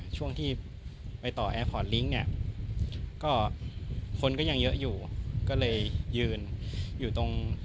ช่วงที่ไปต่อแอร์พอร์ตลิงค์เนี่ยก็คนก็ยังเยอะอยู่ก็เลยยืนอยู่ตรง